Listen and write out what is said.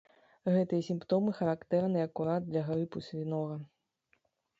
Гэтыя сімптомы характэрныя акурат для грыпу свінога.